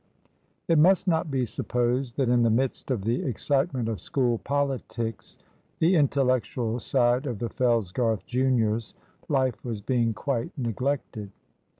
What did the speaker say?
It must not be supposed that in the midst of the excitement of School politics the intellectual side of the Fellsgarth juniors, life was being quite neglected.